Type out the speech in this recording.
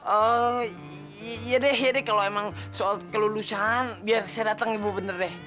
ehm iya deh iya deh kalau emang soal kelulusan biar saya datang ibu bener deh